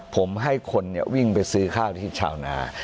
ผมให้คนวิ่งไปซื้อข้าวที่ชาวนา